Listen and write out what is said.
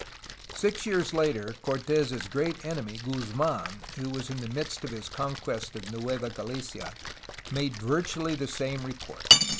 Six years later Cortes' great enemy, Guzmdn, who was in the midst of his conquest of Nueva Gahcia, made virtually the same report.